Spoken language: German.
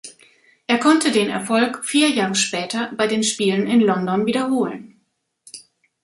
Er konnte den Erfolg vier Jahre später bei den Spielen in London wiederholen.